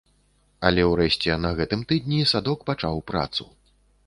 Але ўрэшце на гэтым тыдні садок пачаў працу.